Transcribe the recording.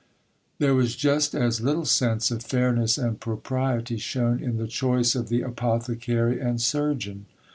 There was just as little sense of fairness and propriety shown in the choice of the apothecary and surgeon.